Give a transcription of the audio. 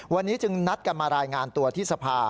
วันนี้จึงนัดกันมารายงานตัวที่สภา